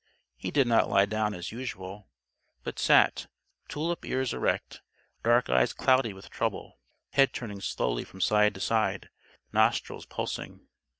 He did not lie down as usual, but sat tulip ears erect, dark eyes cloudy with trouble; head turning slowly from side to side, nostrils pulsing.